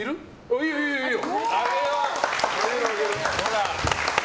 いいよ、いいよ。